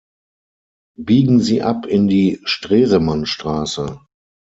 Biegen Sie ab in die Stresemannstraße.